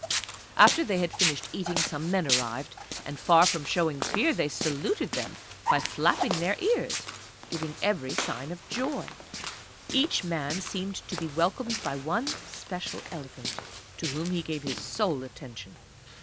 After they had finished eating some men arrived, and far from showing fear, they saluted them by flapping their ears giving every sign of joy. Each man seemed to be welcomed by one special elephant to whom he gave his sole attention.